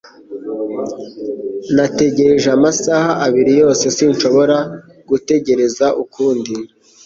Nategereje amasaha abiri yose Sinshobora gutegereza ukundi